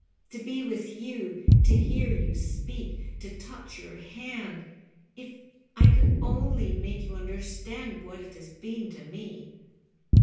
To be with you, to hear you speak, to touch your hand — if I could only make you understand what it has been to me.